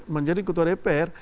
menjadi ketua dpr